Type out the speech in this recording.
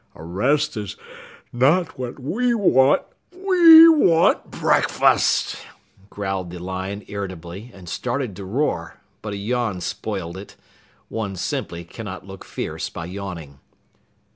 A rest is not what we want! We want breakfast!" growled the lion irritably and started to roar, but a yawn spoiled it. (One simply cannot look fierce by yawning.)